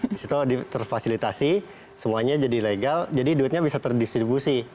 di situ terfasilitasi semuanya jadi legal jadi duitnya bisa terdistribusi